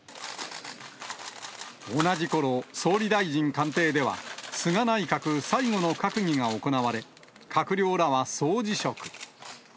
同じころ、総理大臣官邸では、菅内閣最後の閣議が行われ、閣僚らは総辞職。